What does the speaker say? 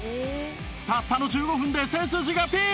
たったの１５分で背筋がピン！